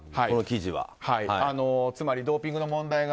この記事はつまり、ドーピング問題